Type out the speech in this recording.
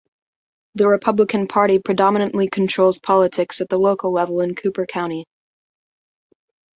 The Republican Party predominantly controls politics at the local level in Cooper County.